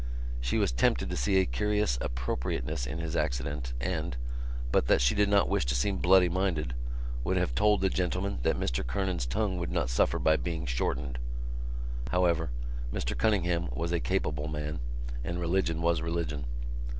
She was tempted to see a curious appropriateness in his accident and, but that she did not wish to seem bloody minded, she would have told the gentlemen that Mr Kernan's tongue would not suffer by being shortened. However, Mr Cunningham was a capable man; and religion was religion.